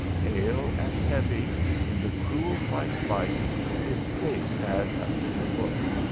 Pale and heavy, in the cruel white light, his face had a bitter look.